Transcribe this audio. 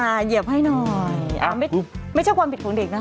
เหยียบให้หน่อยอ่าไม่ใช่ความผิดของเด็กนะ